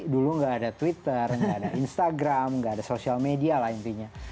dulu nggak ada twitter nggak ada instagram nggak ada social media lah intinya